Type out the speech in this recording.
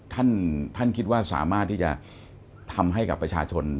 ท่านท่านคิดว่าสามารถที่จะทำให้กับประชาชน